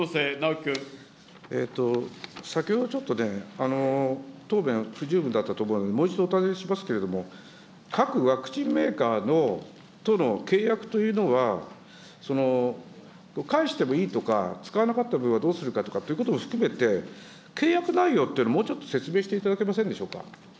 先ほどちょっとね、答弁、不十分だったと思うので、もう一度お尋ねしますけども、各ワクチンメーカーとの契約というのは、返してもいいとか、使わなかった分はどうするかということも含めて、契約内容というのをもうちょっと説明していただけませんでしょうか。